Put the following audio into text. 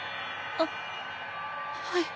あっはい。